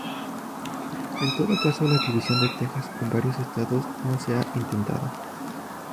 En todo caso, la división de Texas en varios estados no se ha intentado.